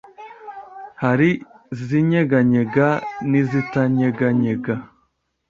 Hari zinyeganyega n’izitanyeganyega